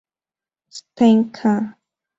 Stein; "ca.